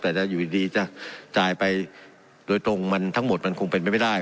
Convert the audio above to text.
แต่จะอยู่ดีจะจ่ายไปโดยตรงมันทั้งหมดมันคงเป็นไปไม่ได้